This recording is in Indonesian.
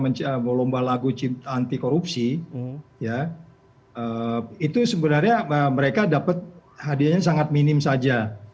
mencoba melomba lagu cinta anti korupsi ya itu sebenarnya mereka dapat hadiahnya sangat minim saja